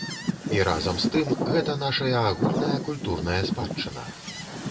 І разам з тым, гэта нашая агульная культурная спадчына.